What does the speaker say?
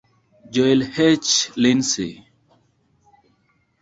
Joel H. Linsley.